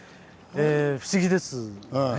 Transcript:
不思議ですね。